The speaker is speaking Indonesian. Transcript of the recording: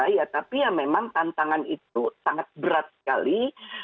iya tapi ya memang tantangan itu sangat berat sekali